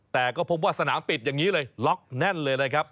แต่ก็พบว่าสนามปิดอย่างนี้เลยล็อกแน่นเลยนะครับ